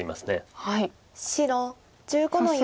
白１５の四。